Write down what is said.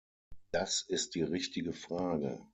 Das ist die richtige Frage.